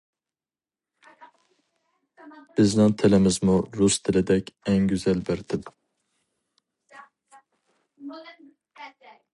بىزنىڭ تىلىمىزمۇ رۇس تىلىدەك ئەڭ گۈزەل بىر تىل.